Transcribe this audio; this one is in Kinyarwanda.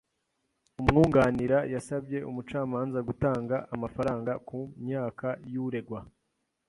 Umwunganira yasabye umucamanza gutanga amafaranga ku myaka y'uregwa.